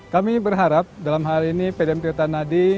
kami berharap dalam hal ini pdam tirtanadi